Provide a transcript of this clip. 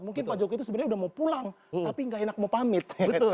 mungkin pak jokowi itu sebenarnya udah mau pulang tapi nggak enak mau pamit